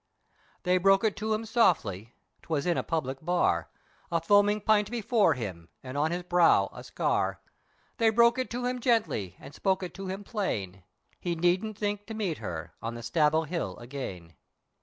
They broke it to him softly, 'twas in a public bar, A foaming pint before him, and on his brow a scar, They broke it to him gently, and spoke it to him plain, He needn't think to meet her, on the Staball hill again.